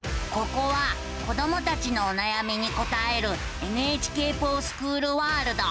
ここは子どもたちのおなやみに答える「ＮＨＫｆｏｒＳｃｈｏｏｌワールド」。